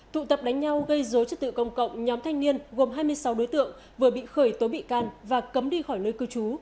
tụ tập đánh nhau gây dối trật tự công cộng nhóm thanh niên gồm hai mươi sáu đối tượng vừa bị khởi tố bị can và cấm đi khỏi nơi cư trú